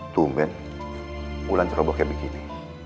tumben ulan ceroboh kayak begini